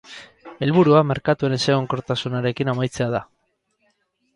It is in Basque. Helburua merkatuen ezegonkortasunarekin amaitzea da.